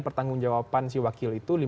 pertanggung jawaban si wakil itu